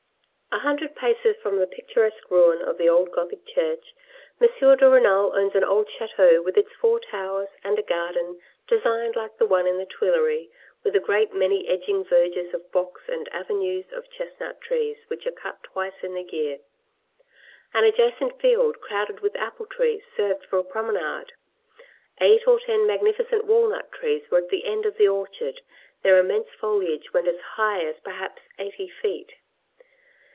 A hundred paces from the picturesque ruin of the old Gothic church, M. de Renal owns an old chateau with its four towers and a garden designed like the one in the Tuileries with a great many edging verges of box and avenues of chestnut trees which are cut twice in the year. An adjacent field, crowded with apple trees, served for a promenade. Eight or ten magnificent walnut trees were at the end of the orchard. Their immense foliage went as high as perhaps eighty feet.